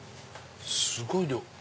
すごい量。